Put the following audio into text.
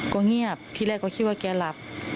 ก็เงียบที่แรกก็คิดว่าแกหลับ